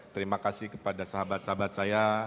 terima kasih kepada sahabat sahabat saya